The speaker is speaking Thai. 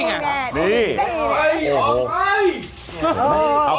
ออกไปออกไป